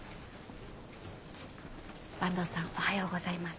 坂東さんおはようございます。